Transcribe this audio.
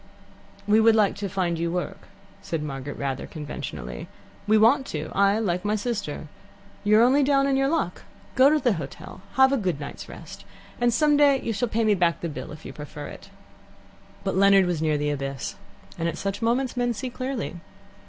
"We would like to find you work," said Margaret rather conventionally. "We want to I, like my sister. You're only down in your luck. Go to the hotel, have a good night's rest, and some day you shall pay me back the bill, if you prefer it." But Leonard was near the abyss, and at such moments men see clearly.